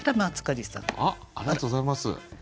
ありがとうございます。